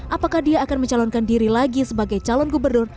apakah dia akan mencalonkan diri lagi sebagai calon gubernur